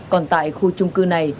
còn tại khu trung cư này